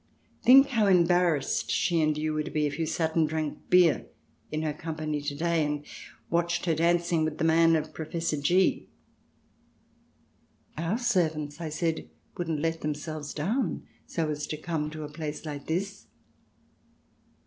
Think how embarrassed she and you would be if you had sat and drunk beer in her company to day and watched her dancing with the man of Professor G ."" Our servants," I said, " wouldn't let themselves down so, as to come to a place like this."